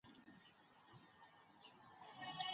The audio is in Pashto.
ورور مي وویل چي کمپیوټر د نن عصر ژبه ده.